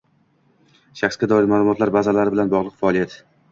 shaxsga doir ma’lumotlar bazalari bilan bog'liq faoliyat.